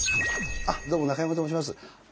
どうも中山と申します。